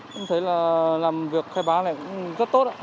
tôi thấy là làm việc khai báo này rất tốt